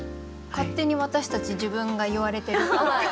勝手に私たち自分が言われてるみたいに。